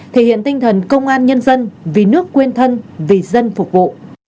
thể hiện tinh thần công an nhân dân vì nước quên thân vì dân phục vụ